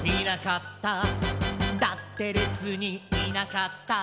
「だってれつにいなかった」